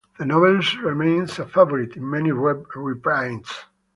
The novel remains a favorite, in many reprints.